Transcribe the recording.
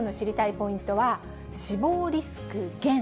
ポイントは死亡リスク減。